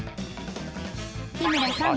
［日村さん。